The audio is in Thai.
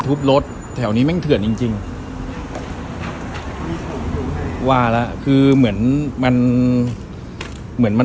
ถูกรถแถวนี้มัดจริง๖๔๔และเพื่อเหมือนมันว่าเหมือนมัน